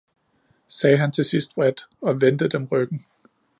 sagde han til sidst vredt, og vendte dem ryggen.